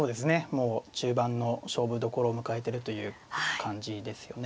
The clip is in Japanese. もう中盤の勝負どころを迎えてるという感じですよね。